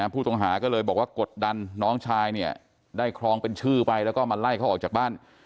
ผู้ต้องหาก็เลยบอกว่ากดดันน้องชายเนี่ยได้ครองเป็นชื่อไปแล้วก็มาไล่เขาออกจากบ้าน